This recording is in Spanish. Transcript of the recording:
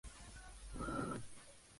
No Pepsi.